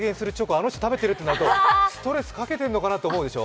あの人、食べてるというと、ストレスかけてるのかなと思うでしょ。